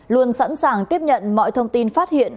luôn sẵn sàng tiếp nhận mọi thông tin phát hiện